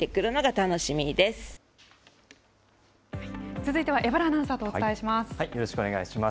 続いては江原アナウンサーとお伝えします。